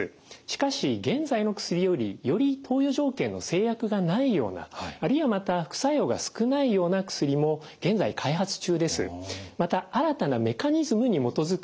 しかし現在の薬よりより投与条件の制約がないようなあるいはまた副作用が少ないような薬も現在開発中です。